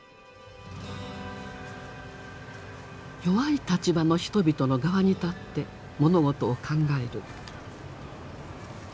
弱い立場の人々の側に立って物事を考える。